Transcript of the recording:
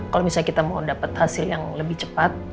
kalau misalnya kita mau dapat hasil yang lebih cepat